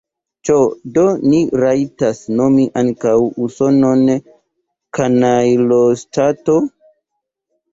Ĉu do ni rajtas nomi ankaŭ Usonon kanajloŝtato?